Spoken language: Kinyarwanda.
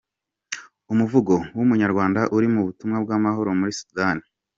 Umuvugo w’Umunyarwanda uri mu butumwa bw’amahoro muri Sudani.